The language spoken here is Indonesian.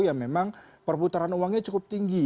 yang memang perputaran uangnya cukup tinggi